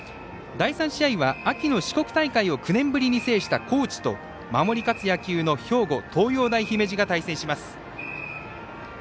第３試合は秋の四国大会を９年ぶりに制した高知と守り勝つ野球の兵庫・東洋大姫路が対戦します。